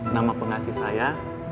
nama pengasih saya